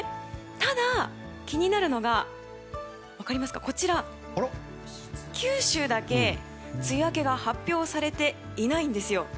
ただ、気になるのがこちら九州だけ梅雨明けが発表されていないんです。